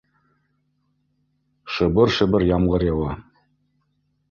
Шыбыр-шыбыр ямғыр яуа